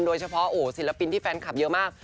โดยเฉพาะศิลปินที่แฟนคลับเยอะมาก